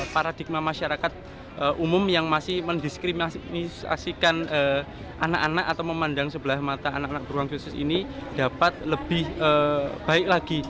paradigma masyarakat umum yang masih mendiskriminasikan anak anak atau memandang sebelah mata anak anak beruang khusus ini dapat lebih baik lagi